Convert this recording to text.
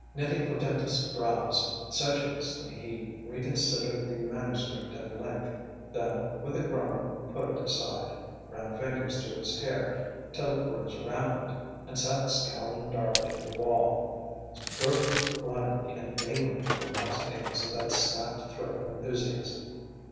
Knitting portentous brows, sedulously he reconsidered the manuscript at length; then with a groan put it aside, ran fingers through his hair till it rose rampant, and sat scowling darkly at the wall, groping blindly and vainly for the lost ends of that snapped thread of enthusiasm.